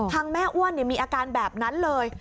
แม่อ้วนมีอาการแบบนั้นเลย